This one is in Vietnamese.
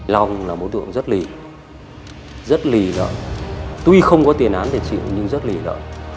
long là đối tượng rất lì rất lì đó tuy không có tiền án để chịu nhưng rất lì động